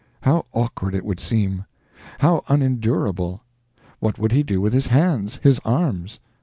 How awkward it would seem; how unendurable. What would he do with his hands, his arms?